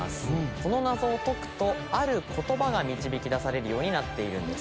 この謎を解くとある言葉が導き出されるようになっているんです。